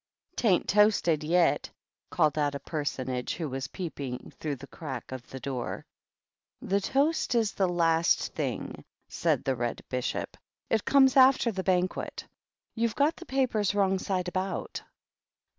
" Tain't toasted yet !" called out a person age who was peeping through the crack of i door. "The toast is the last thing," said the Re< Bishop. " It comes after the banquet. YouV got the papers wrong side about."